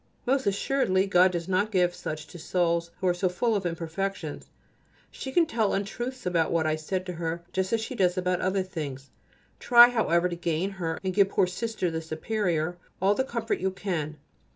Most assuredly God does not give such to souls who are so full of imperfections. She can tell untruths about what I said to her just as she does about other things. Try, however, to gain her and give poor Sister, the Superior, all the comfort you can.